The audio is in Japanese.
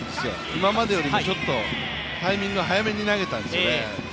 今までよりも、ちょっとタイミングを早めに投げたんですよね。